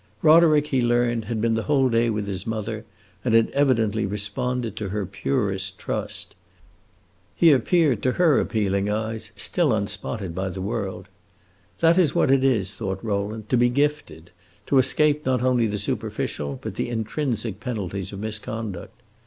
Roderick, he learned, had been the whole day with his mother, and had evidently responded to her purest trust. He appeared to her appealing eyes still unspotted by the world. That is what it is, thought Rowland, to be "gifted," to escape not only the superficial, but the intrinsic penalties of misconduct.